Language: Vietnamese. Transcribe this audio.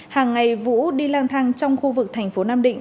hàng ngày vũ đi lang thang trong khu vực tp nam định